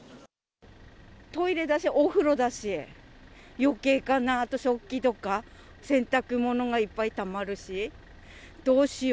トイレだし、お風呂だし、よけいかな、あと食器とか、洗濯物がいっぱいたまるし。